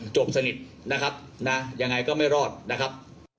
จบสนิทนะครับนะยังไงก็ไม่รอดนะครับ